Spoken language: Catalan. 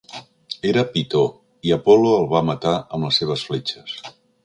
Era Pitó, i Apol·lo el va matar amb les seves fletxes.